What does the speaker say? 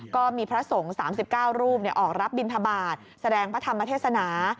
ก็มีพระสงฆ์๓๙รูปออกรับบินทบาทแสดงพระธรรมเทศนา